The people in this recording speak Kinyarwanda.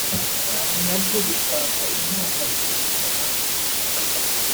na byo bishaka inkunga iturutse hanze